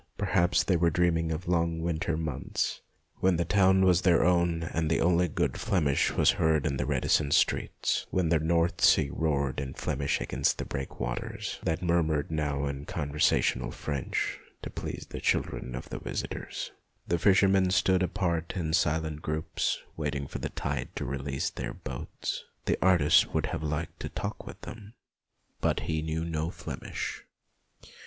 Perhaps they were dreaming of the long winter months, when the town was their own and only good Flemish was heard in the reticent streets, when the North Sea roared in Flemish against the breakwaters, that murmured now in con versational French to please the children of the visitors. The fishermen stood apart in silent groups, waiting for the tide to release their boats. The artist would have liked to talk with them, but he knew no Flemish.